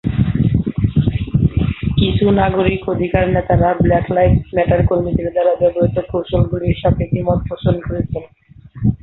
কিছু নাগরিক অধিকার নেতারা ব্ল্যাক লাইভস ম্যাটার কর্মীদের দ্বারা ব্যবহৃত কৌশলগুলির সাথে দ্বিমত পোষণ করেছেন।